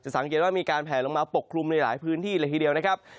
สังเกตว่ามีการแผลลงมาปกคลุมในหลายพื้นที่เลยทีเดียวนะครับ